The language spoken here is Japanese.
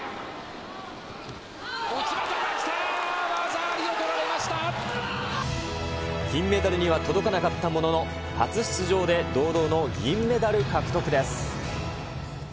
内またがきた、技ありを取ら金メダルには届かなかったものの、初出場で堂々の銀メダル獲得です。